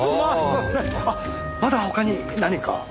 あっまだ他に何か？